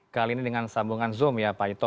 kali ini dengan sambungan zoom ya pak ito